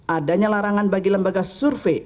adanya larangan bagi lembaga survei